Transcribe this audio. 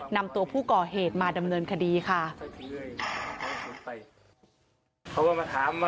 นำตัวผู้ก่อเหตุมาดำเนินคดีค่ะ